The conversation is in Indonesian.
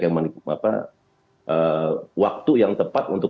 yang menikmati waktu yang tepat untuk